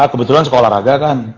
kebetulan sekolah agar private